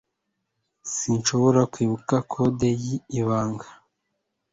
Sinshobora kwibuka kode y'ibanga